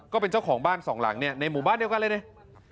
ก็เป็นเจ้าของบ้านสองหลังเนี่ยในหมู่บ้านเดียวกันเลยเนี่ย